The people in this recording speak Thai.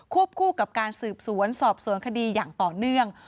คู่กับการสืบสวนสอบสวนคดีอย่างต่อเนื่อง